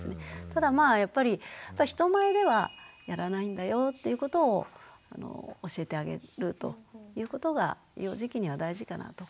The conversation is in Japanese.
ただまあやっぱり人前ではやらないんだよっていうことを教えてあげるということが幼児期には大事かなと。